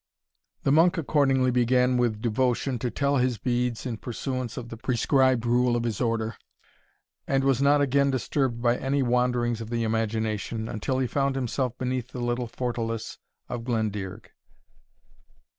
The monk accordingly began with devotion to tell his beads, in pursuance of the prescribed rule of his order, and was not again disturbed by any wanderings of the imagination, until he found himself beneath the little fortalice of Glendearg.